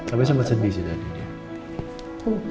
tapi sama sedih sih tadi dia